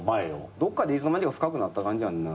どっかでいつの間にか深くなった感じやんな。